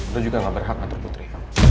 lo juga gak berhak ngatur putri